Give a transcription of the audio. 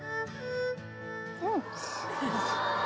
うん！